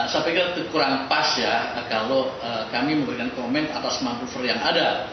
saya pikir itu kurang pas ya kalau kami memberikan komen atas manuver yang ada